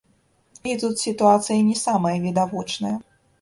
І тут сітуацыя не самая відавочная.